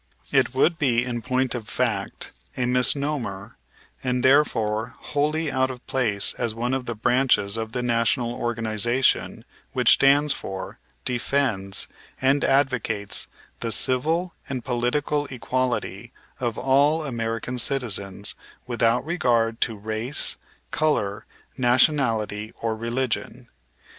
It would be in point of fact a misnomer and, therefore, wholly out of place as one of the branches of the national organization which stands for, defends, and advocates the civil and political equality of all American citizens, without regard to race, color, nationality, or religion.